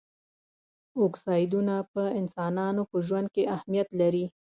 اکسایډونه په انسانانو په ژوند کې اهمیت لري.